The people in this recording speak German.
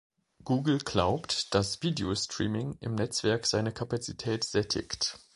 Google glaubt, dass Videostreaming im Netzwerk seine Kapazität sättigt.